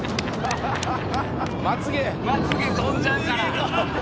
「まつげ！」「まつげ飛んじゃうから」